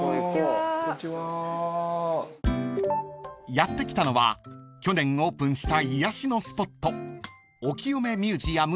［やって来たのは去年オープンした癒やしのスポット］